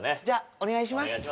じゃあお願いします